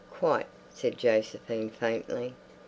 "Quite," said Josephine faintly.